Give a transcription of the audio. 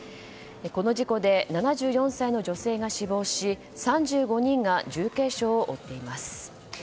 この事故で７４歳の女性が死亡し３５人が重軽傷を負っています。